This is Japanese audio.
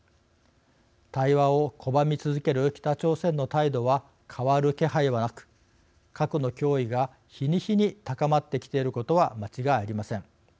対話を拒み続ける北朝鮮の態度は変わる気配はなく核の脅威が日に日に高まってきていることは間違いありません。